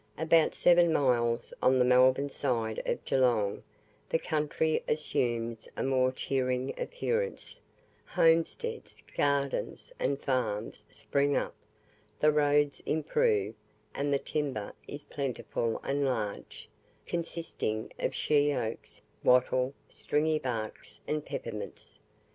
About seven miles on the Melbourne side of Geelong, the country assumes a more cheering appearance homesteads, gardens, and farms spring up the roads improve, and the timber is plentiful and large, consisting of shea oaks, wattle, stringy bark, and peppermints.